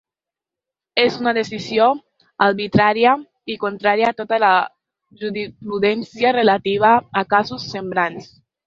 És una decisió arbitrària i contrària a tota la jurisprudència relativa a casos semblants.